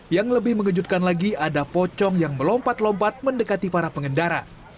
yang lebih mengejutkan lagi ada pocong yang melompat lompat mendekati para pengendara